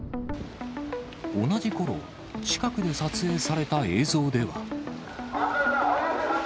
同じころ、近くで撮影された映像では。